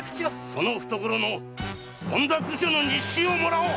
その懐の本多図書の日誌をもらおう！